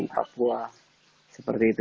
papua seperti itu